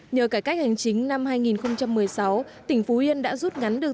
nhờ cải cách hành chính năm hai nghìn một mươi sáu tỉnh phú yên đã rút ngắn được